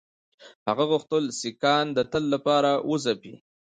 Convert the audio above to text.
هغه غوښتل سیکهان د تل لپاره وځپي.